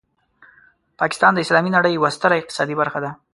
پاکستان د اسلامي نړۍ یوه ستره اقتصادي برخه ده.